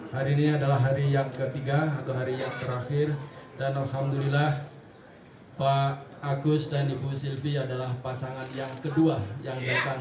hari ini adalah hari yang ketiga atau hari yang terakhir dan alhamdulillah pak agus dan ibu silvi adalah pasangan yang kedua yang datang